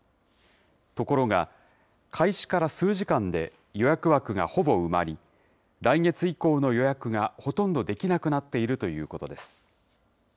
ところが、開始から数時間で予約枠がほぼ埋まり、来月以降の予約がほとんどできなくなっているということです。